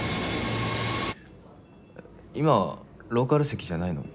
今ローカル席じゃないの？